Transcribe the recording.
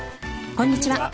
こんにちは。